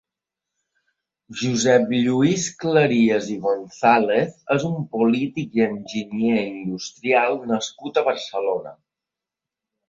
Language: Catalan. Josep Lluís Cleries i Gonzàlez és un polític i enginyer industrial nascut a Barcelona.